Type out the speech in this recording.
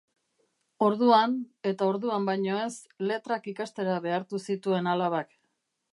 Orduan, eta orduan baino ez, letrak ikastera behartu zituen alabak.